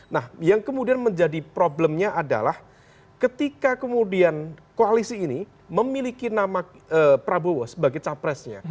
nah yang kemudian menjadi problemnya adalah ketika kemudian koalisi ini memiliki nama prabowo sebagai capresnya